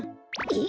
え？